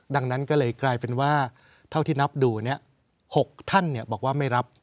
ดังนั้นก็เลยกลายเป็นว่าเท่าที่นับดู๖ท่านบอกว่าไม่รับ